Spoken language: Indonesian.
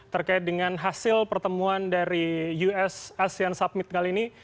terkait dengan hasil pertemuan dari us asean summit kali ini